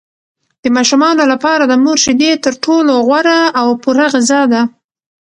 د ماشومانو لپاره د مور شیدې تر ټولو غوره او پوره غذا ده.